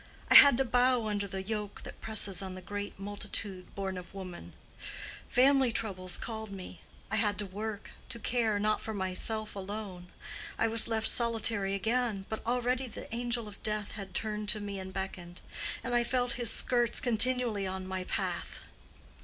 I had to bow under the yoke that presses on the great multitude born of woman: family troubles called me—I had to work, to care, not for myself alone. I was left solitary again; but already the angel of death had turned to me and beckoned, and I felt his skirts continually on my path.